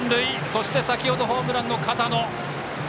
そして、先程ホームランの片野。